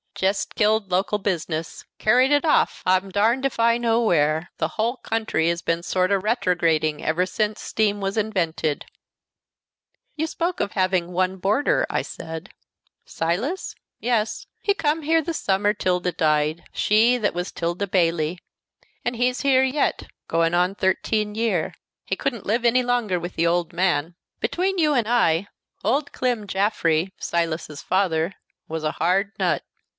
"Jest killed local business. Carried it off, I'm darned if I know where. The whole country has been sort o' retrograding ever sence steam was invented." "You spoke of having one boarder," I said. "Silas? Yes; he come here the summer 'Tilda died she that was 'Tilda Bayley and he's here yet, going on thirteen year. He couldn't live any longer with the old man. Between you and I, old Clem Jaffrey, Silas's father, was a hard nut.